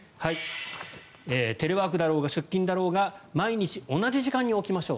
テレワークだろうが出勤だろうが毎日同じ時間に起きましょう。